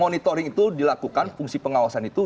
di turing itu dilakukan fungsi pengawasan itu